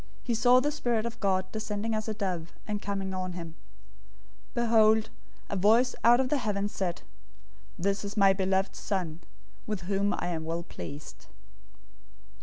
He saw the Spirit of God descending as a dove, and coming on him. 003:017 Behold, a voice out of the heavens said, "This is my beloved Son, with whom I am well pleased."